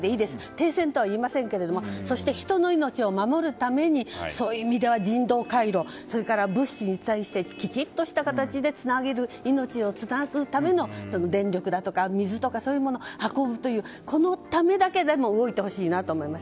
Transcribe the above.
停戦とは言いませんけれどもそして、人の命を守るためでそういう意味では人道回廊とそして物資をきちっとした形で命をつなぐための電力や水そういうものを運ぶというこのためだけでも動いてほしいなと思います。